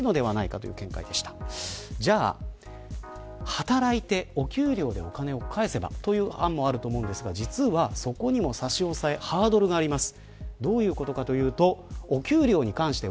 働いてお給料でお金を返せばという案もあると思いますが実はそこにも差し押さえにハードルがあります。